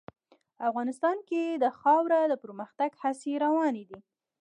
افغانستان کې د خاوره د پرمختګ هڅې روانې دي.